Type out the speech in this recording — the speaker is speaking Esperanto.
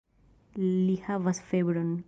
Li havas febron.